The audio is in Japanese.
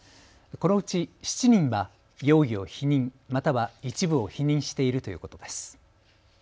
このうち７人は容疑を否認、または一部を否認しているということです。